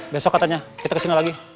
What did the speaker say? besok katanya kita kesini lagi